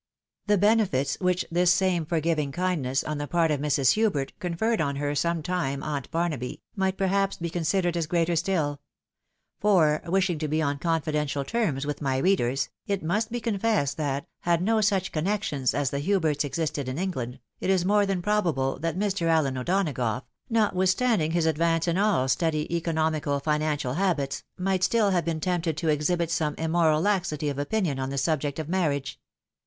The benefits which this same forgiving kindness on the part of Mrs. Hubert conferred on her some time aunt Barnaby, might perhaps be considered as greater still ; for (wishing to be on confidential terms with my readers) it must be confessed that, had no such connections as the Huberts existed in England, it is more than probable that Mr. AUen O'Donagough, notwithstanding his advance in all steady economical financial habits, might still have been tempted to exhibit some immoral laxity of opinion on the subject of marriage.